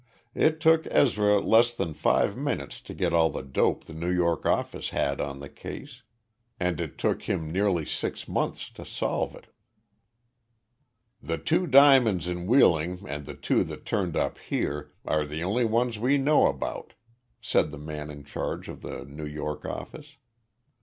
It took Ezra less than five minutes to get all the dope the New York office had on the case and it took him nearly six months to solve it. "The two diamonds in Wheeling and the two that turned up here are the only ones we know about," said the man in charge of the New York office.